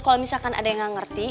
kalau misalkan ada yang nggak ngerti